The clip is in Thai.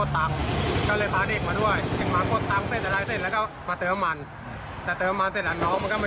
ตามจะเอาตังค์๕๐๐ฟังพนักงานปั๊มค่ะ